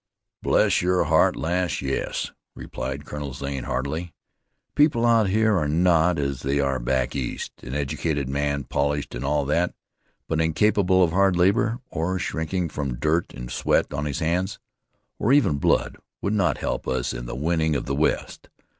"Bless your heart, lass, yes!" replied Colonel Zane heartily. "People out here are not as they are back east. An educated man, polished and all that, but incapable of hard labor, or shrinking from dirt and sweat on his hands, or even blood, would not help us in the winning of the West.